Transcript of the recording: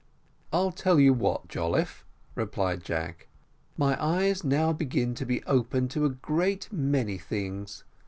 "I'll tell you what, Jolliffe," replied Jack, "my eyes now begin to be opened to a great many things.